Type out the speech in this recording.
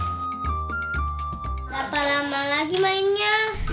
berapa lama lagi mainnya